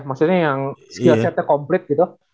maksudnya yang skill setnya komplit gitu